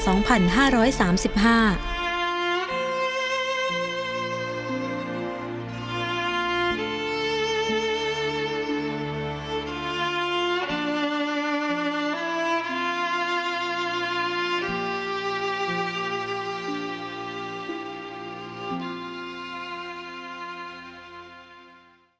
โปรดติดตามตอนต่อไป